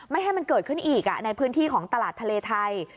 ให้มันเกิดขึ้นอีกในพื้นที่ของตลาดทะเลไทย